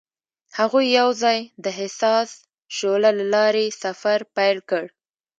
هغوی یوځای د حساس شعله له لارې سفر پیل کړ.